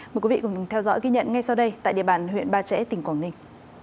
mời quý vị cùng theo dõi ghi nhận ngay sau đây tại địa bàn huyện ba trẻ tỉnh quảng ninh